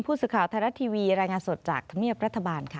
ผู้ศึกข่าวธนรัฐทีวีรายงานสดจากธรรมเนียบรัฐบาล